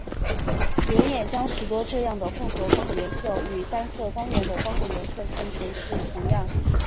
人眼将许多这样的混合光的颜色与单色光源的光的颜色看成是同样。